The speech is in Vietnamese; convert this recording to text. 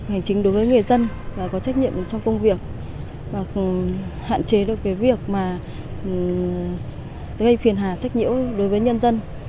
hành trình đối với người dân và có trách nhiệm trong công việc và hạn chế được việc gây phiền hà trách nhiễu đối với nhân dân